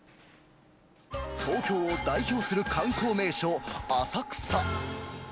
東京を代表する観光名所、浅草。